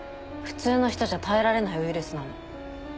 普通の人じゃ耐えられないウイルスなの。